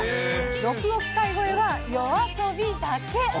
６億回超えはＹＯＡＳＯＢＩだけ。